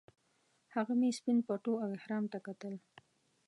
هغه مې سپین پټو او احرام ته کتل.